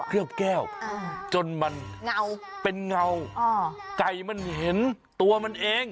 ลือบแก้วจนมันเงาเป็นเงาอ๋อไก่มันเห็นตัวมันเอง